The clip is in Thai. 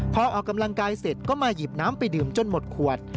พอออกกำลังกายเสร็จก็มาหยิบน้ำไปดื่มจนหมดขวด